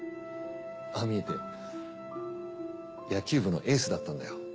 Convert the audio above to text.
ああ見えて野球部のエースだったんだよ。